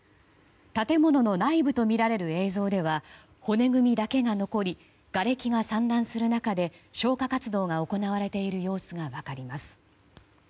建物の内部とみられる映像では骨組みだけが残りがれきが散乱する中で消火活動が行われている様子が分かります。